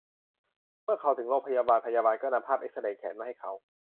เมื่อเขาถึงโรงพยาบาล พยาบาลก็นำภาพเอ็กซเรย์แขนมาให้เขา